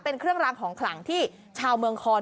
เป็นเครื่องรางของขลังที่ชาวเมืองคอน